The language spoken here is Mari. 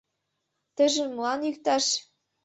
Тыйжым молан йӱкташ?